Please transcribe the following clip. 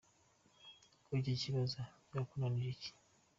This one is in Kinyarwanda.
Kuri iki kibazo byakunanije iki ?”